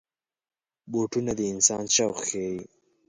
بوټونه د انسان شوق ښيي.